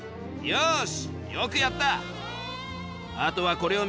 よし！